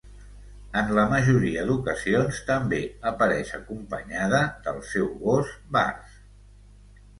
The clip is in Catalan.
En la majoria d'ocasions, també apareix acompanyada del seu gos Bars.